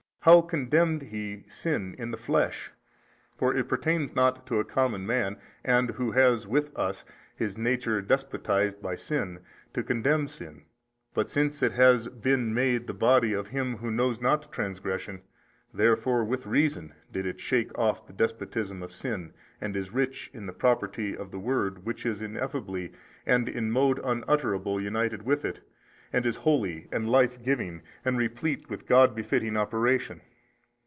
how condemned He sin in the flesh? for it pertains not to a common man and who has with us his nature despotized by sin to condemn sin. But since it has BEEN MADE the body of Him Who knows not transgression, therefore with reason did it shake off the despotism of sin and is rich in the Property of the Word which is Ineffably and in mode unutterable united with it, and is holy and life giving and replete with God befitting operation.